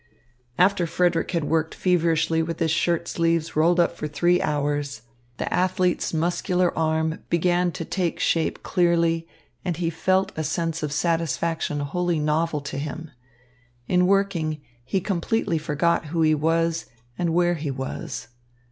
After Frederick had worked feverishly with his shirt sleeves rolled up for three hours, the athlete's muscular arm began to take shape clearly, and he felt a sense of satisfaction wholly novel to him. In working he completely forgot who he was, and where he was.